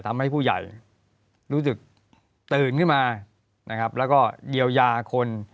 ทำให้ผู้ใหญ่รู้สึกตื่นขึ้นมานะครับแล้วก็เยียวยาคน